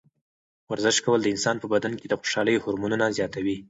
ورزش کول د انسان په بدن کې د خوشحالۍ هورمونونه زیاتوي.